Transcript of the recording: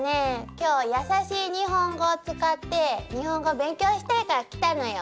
今日「やさしい日本語」を使って日本語勉強したいから来たのよ。